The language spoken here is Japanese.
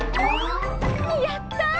やった！